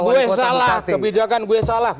gue salah kebijakan gue salah